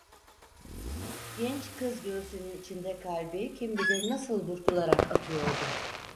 Genç kız göğsünün içinde kalbi kim bilir nasıl burkularak atıyordu.